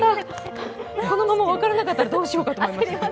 このまま分からなかったらどうしようかと思った。